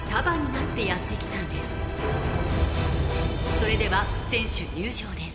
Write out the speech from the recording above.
それでは選手入場です